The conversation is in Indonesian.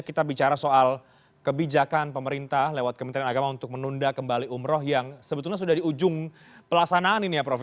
kita bicara soal kebijakan pemerintah lewat kementerian agama untuk menunda kembali umroh yang sebetulnya sudah di ujung pelaksanaan ini ya prof